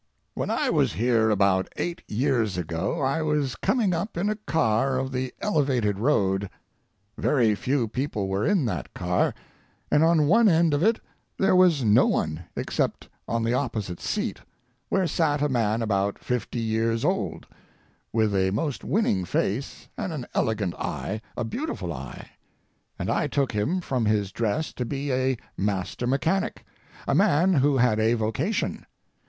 When I was here about eight years ago I was coming up in a car of the elevated road. Very few people were in that car, and on one end of it there was no one, except on the opposite seat, where sat a man about fifty years old, with a most winning face and an elegant eye—a beautiful eye; and I took him from his dress to be a master mechanic, a man who had a vocation.